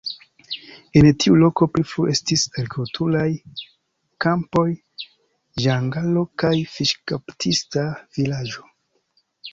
En tiu loko pli frue estis agrikulturaj kampoj, ĝangalo kaj fiŝkaptista vilaĝo.